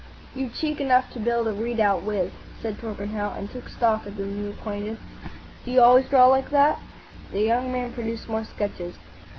"You've cheek enough to build a redoubt with," said Torpenhow, and took stock of the new acquaintance. "Do you always draw like that?" The young man produced more sketches.